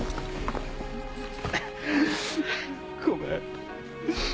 ごめん。